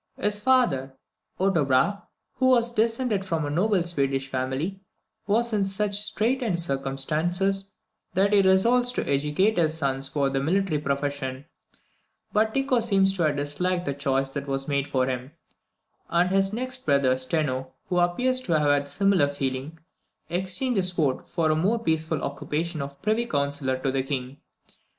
His father, Otto Brahe, who was descended from a noble Swedish family, was in such straitened circumstances, that he resolved to educate his sons for the military profession; but Tycho seems to have disliked the choice that was made for him; and his next brother, Steno, who appears to have had a similar feeling, exchanged the sword for the more peaceful occupation of Privy Councillor to the King.